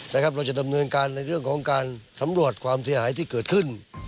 เราจะดำเนินการในเรื่องของการสำรวจความเสียหายที่เกิดขึ้น